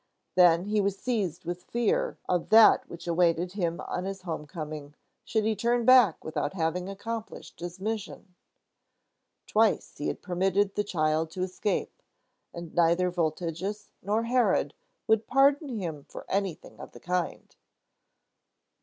Then he was seized with fear of that which awaited him on his home coming, should he turn back without having accomplished his mission. Twice he had permitted the child to escape, and neither Voltigius nor Herod would pardon him for anything of the kind.